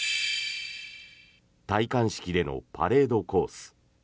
戴冠式でのパレードコース。